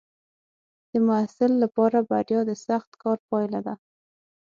د محصل لپاره بریا د سخت کار پایله ده.